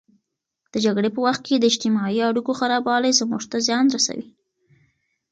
د جګړې په وخت کې د اجتماعي اړیکو خرابوالی زموږ ته زیان رسوي.